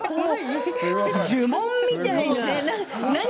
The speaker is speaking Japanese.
呪文みたいな。